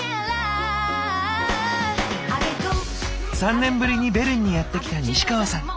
３年ぶりにベルンにやって来た西川さん。